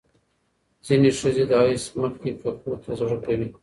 ځینې ښځې د حیض مخکې ککو ته زړه کوي.